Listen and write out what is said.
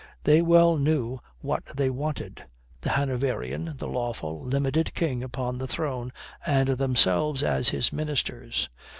They well knew what they wanted: the Hanoverian, the lawful, limited king upon the throne and themselves as his ministers.